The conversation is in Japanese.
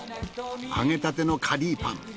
揚げたてのカリーパン